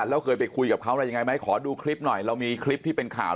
แล้วเคยไปคุยกับเขาอะไรยังไงไหมขอดูคลิปหน่อยเรามีคลิปที่เป็นข่าว